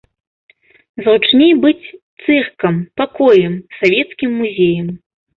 Зручней быць цыркам, пакоем, савецкім музеем.